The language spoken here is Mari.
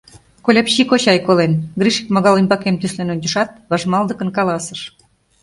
— Кольапчи кочай колен, — Гриш икмагал ӱмбакем тӱслен ончышат, важмалдыкын каласыш.